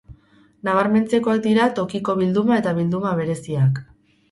Nabarmentzekoak dira Tokiko bilduma eta bilduma bereziak.